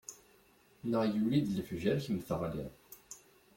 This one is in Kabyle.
Neɣ yuli-d lefjer kemm teɣliḍ.